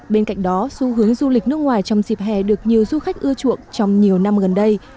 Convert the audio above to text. bên cạnh đó xu hướng du lịch nước ngoài trong dịp hè được nhiều du khách ưa chuộng trong nhiều năm gần đây